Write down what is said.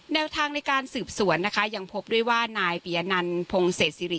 แนวทางในการสืบสวนนะคะยังพบด้วยว่านายปียนันพงศิริ